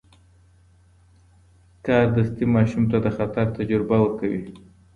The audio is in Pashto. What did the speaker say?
کاردستي ماشوم ته د خطر تجربه ورکوي.